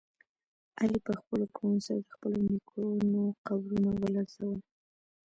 علي په خپلو کړنو سره د خپلو نیکونو قبرونه ولړزول.